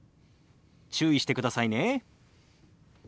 注意してくださいね。